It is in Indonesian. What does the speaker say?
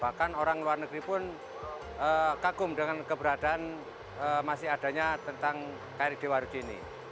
bahkan orang luar negeri pun kagum dengan keberadaan masih adanya tentang kri dewa rugi ini